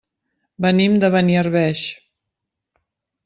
Venim de Beniarbeig.